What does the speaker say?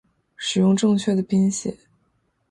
使用正确的拼写